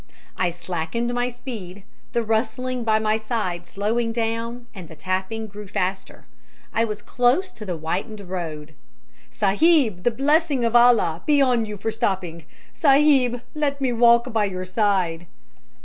"I slackened my speed, the rustling by my side slowing down, and the tapping grew faster. I was close to the whitened road. "'Sahib, the blessing of Allah be on you for stopping. Sahib, let me walk by your side.'